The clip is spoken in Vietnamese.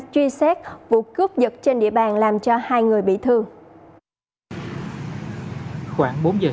truy xét vụ cướp giật trên địa bàn